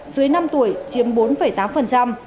dưới năm tuổi chiếm bốn tám